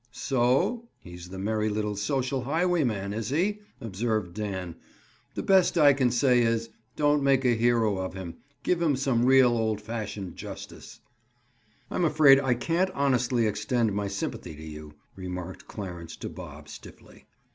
"So?— He's the merry little social highwayman, is he?" observed Dan. "The best I can say is, don't make a hero of him. Give him some real, old fashioned justice." "I'm afraid I can't honestly extend my sympathy to you," remarked Clarence to Bob stiffly.